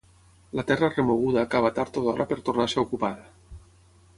la terra remoguda acaba tard o d'hora per tornar a ser ocupada